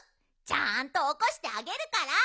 ちゃんとおこしてあげるから。